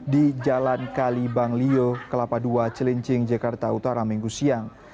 di jalan kalibanglio kelapa ii celincing jakarta utara minggu siang